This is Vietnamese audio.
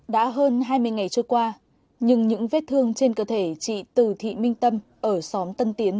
đã hơn hai mươi ngày trôi qua nhưng những vết thương trên cơ thể chị từ thị minh tâm ở xóm tân tiến